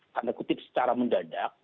tanda kutip secara mendadak